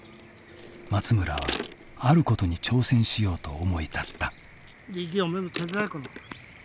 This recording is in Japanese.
松村はあることに挑戦しようと思い立った。